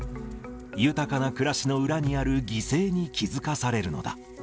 豊かな暮らしの裏にある犠牲に気付かされるのだ。